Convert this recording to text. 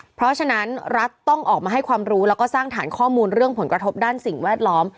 เพราะฉะนั้นรัฐต้องออกมาให้ความรู้แล้วก็สร้างฐานข้อมูลเรื่องผลกระทบด้านสิ่งแวดล้อม